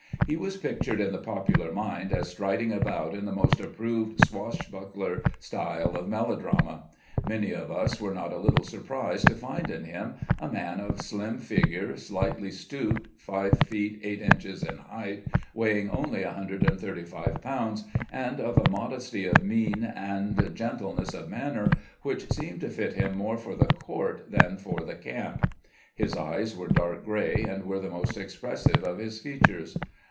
He was pictured in the popular mind as striding about in the most approved swash buckler style of melodrama. Many of us were not a little sur prised to find in him a man of slim figure, slightly stooped, five feet eight inches in height, weighing only a hundred and thirty five pounds, and of a modesty of mien and gentleness of manner which seemed to fit him more for the court than for the camp. His eyes were dark gray, and were the most expressive of his features.